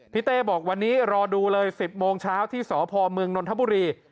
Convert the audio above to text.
เต้บอกวันนี้รอดูเลย๑๐โมงเช้าที่สพเมืองนนทบุรี